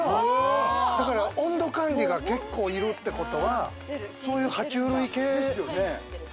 温度管理が結構いるってことはそういう爬虫類系。